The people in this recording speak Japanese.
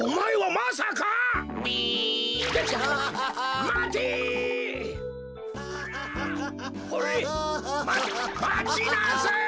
まちなさい。